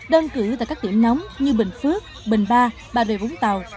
đơn cử tại các tiệm nóng như bình phước bình ba bà rồi vũng tàu